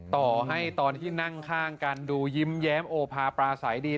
ต่อให้ตอนที่นั่งข้างกันดูยิ้มแย้มโอภาปราศัยดี